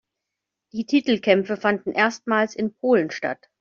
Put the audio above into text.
Die Titelkämpfe fanden erstmals in Polen statt.